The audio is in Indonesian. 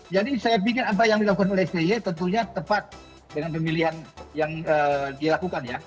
jadi saya pikir apa yang dilakukan oleh sti tentunya tepat dengan pemilihan yang dilakukan ya